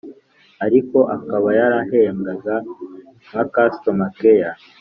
ariko akaba yarahembwaga nka Customer Care